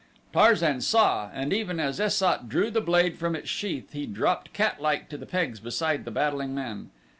Tarzan saw and even as Es sat drew the blade from its sheath he dropped catlike to the pegs beside the battling men.